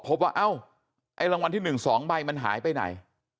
พบว่าเอ้าไอ้รางวัลที่๑๒ใบมันหายไปไหน